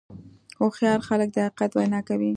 هوښیار خلک د حقیقت وینا کوي.